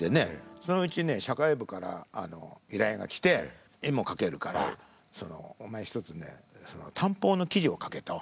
そのうち社会部から依頼が来て絵も描けるからお前一つね探訪の記事を書けと。